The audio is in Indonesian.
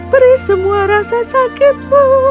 peri semua rasa sakitmu